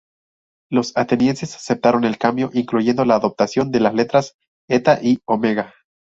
Los atenienses aceptaron el cambio, incluyendo la adopción de las letras eta y omega.